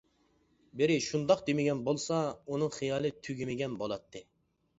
بىرى شۇنداق دېمىگەن بولسا، ئۇنىڭ خىيالى تۈگىمىگەن بولاتتى.